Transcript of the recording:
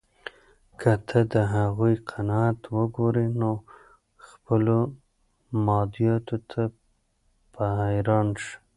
که ته د هغوی قناعت وګورې، نو خپلو مادیاتو ته به حیران شې.